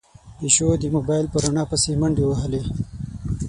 پيشو د موبايل په رڼا پسې منډې وهلې.